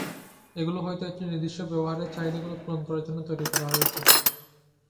এগুলো হয়তো একটা নির্দিষ্ট ব্যবহারের চাহিদাগুলো পূরণ করার জন্য তৈরি করা হয়েছে।